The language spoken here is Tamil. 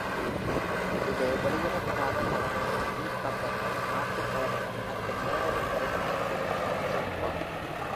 இது வெளியிடப்படாத தடங்கள், பி-பக்கங்கள், மாற்று கலவைகள் மற்றும் நேரடி பதிவுகளின் தொகுப்பாகும்.